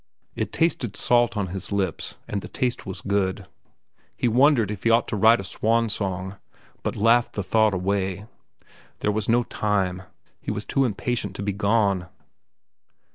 It tasted salt on his lips, and the taste was good. He wondered if he ought to write a swan song, but laughed the thought away. There was no time. He was too impatient to be gone.